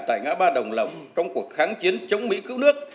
tại ngã ba đồng lộc trong cuộc kháng chiến chống mỹ cứu nước